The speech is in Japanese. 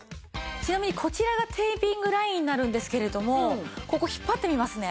ちなみにこちらがテーピングラインになるんですけれどもここ引っ張ってみますね。